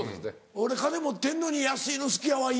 俺金持ってんのに安いの好きやわ胃